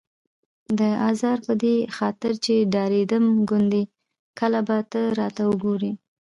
داراز په دې خاطر چې ډارېدم ګوندې کله به ته راته وګورې.